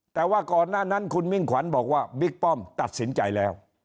แต่ว่าก่อนหน้านั้นคุณมิ่งขวัญบอกว่าบิ๊กป้อมตัดสินใจแล้ว